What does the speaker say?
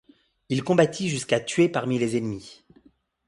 Il combattit jusqu’à tuer parmi les ennemis.